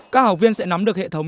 các học viên sẽ nắm được hệ thống